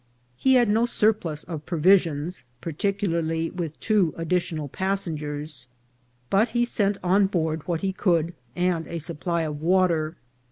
He had no surplus of provisions, particularly with two additional passengers ; but he sent on board what he could, and a supply of water.